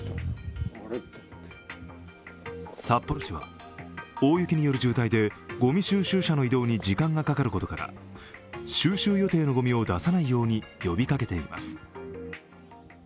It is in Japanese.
札幌市は大雪による渋滞でごみ収集車の移動に時間がかかることから、収集予定のごみを出さないように呼びかけています。